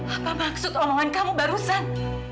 apa maksud omongan kamu barusan